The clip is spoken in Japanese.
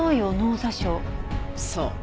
そう。